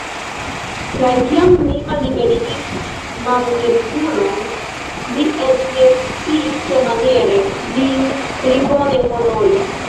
Kaj kiam ni malliberigis Mametkulon, li eĉ ne sciis, kiamaniere lin pli bone honori!